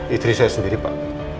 istri saya sendiri pak